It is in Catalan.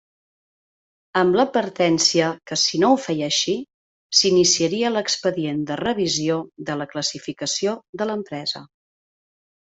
Amb l'advertència que, si no ho feia així, s'iniciaria l'expedient de revisió de la classificació de l'empresa.